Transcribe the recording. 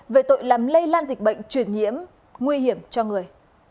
về tội làm lây lan dịch bệnh truyền nhiễm nguy hiểm cho người